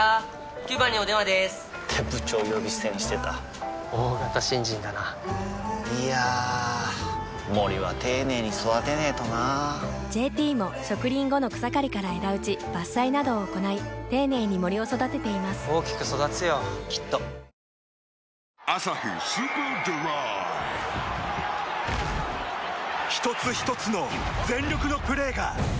９番にお電話でーす！って部長呼び捨てにしてた大型新人だないやー森は丁寧に育てないとな「ＪＴ」も植林後の草刈りから枝打ち伐採などを行い丁寧に森を育てています大きく育つよきっと税金を取り立てる公務員役で出演しております。